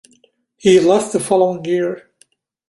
He left the following year.